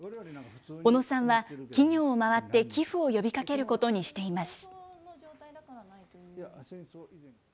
小野さんは、企業を回って寄付を呼びかけることにしています。